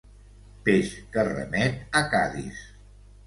Peix que remet a Cadis.